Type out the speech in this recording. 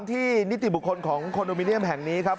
นิติบุคคลของคอนโดมิเนียมแห่งนี้ครับ